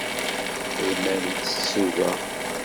Lmal yettett tuga.